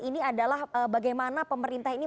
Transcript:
ini adalah bagaimana pemerintah ini